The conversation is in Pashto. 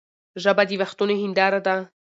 ژبه د وختونو هنداره ده.